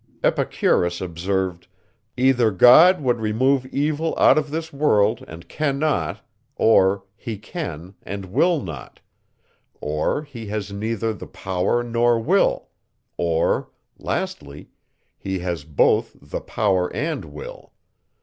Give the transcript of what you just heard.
Epicurus observed: "either God would remove evil out of this world, and cannot; or he can, and will not; or he has neither the power nor will; or, lastly, he has both the power and will.